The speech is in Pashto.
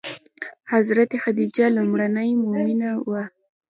حضرت خدیجه لومړنۍ مومنه وه.